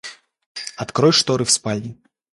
Открой шторы в спальне.